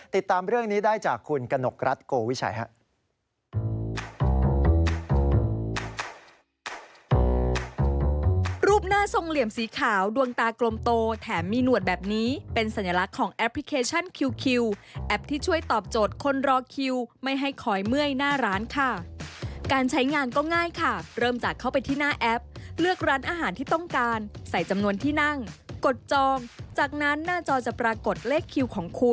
ติดตามเรื่องนี้ได้จากคุณกนกรัฐโกวิชัยครับ